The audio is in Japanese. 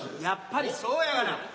やっぱりそうやがな。